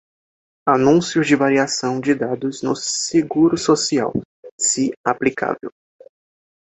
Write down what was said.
Anúncios de variação de dados no Seguro Social, se aplicável.